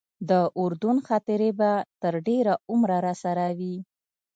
د اردن خاطرې به تر ډېره عمره راسره وي.